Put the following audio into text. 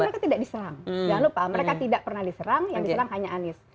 karena mereka tidak diserang jangan lupa mereka tidak pernah diserang yang diserang hanya anies